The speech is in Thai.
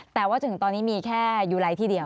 แต่ว่าถึงตอนนี้มีแค่ยูไลท์ที่เดียว